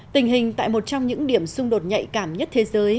tình hình tại một trong những điểm xung đột nhạy cảm nhất thế giới